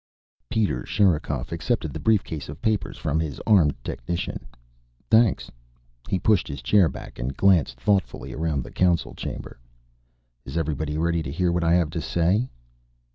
Peter Sherikov accepted the briefcase of papers from his armed technician. "Thanks." He pushed his chair back and glanced thoughtfully around the Council chamber. "Is everybody ready to hear what I have to say?"